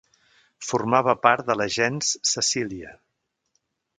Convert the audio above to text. Formava part de la gens Cecília.